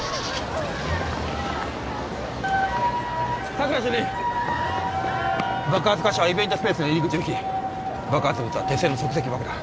佐久良主任爆発箇所はイベントスペースの入り口付近爆発物は手製の即席爆弾